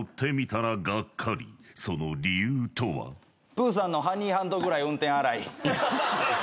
プーさんのハニーハントくらい運転が荒い。